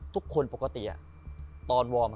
ทุกคนปกติตอนวอร์ม